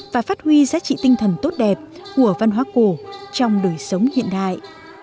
và phát huy giá trị tinh thần tốt đẹp của văn hóa cổ trong đời sống hiện đại